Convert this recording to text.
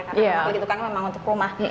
karena klik tukang memang untuk rumah